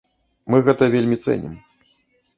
Мы гэта вельмі цэнім.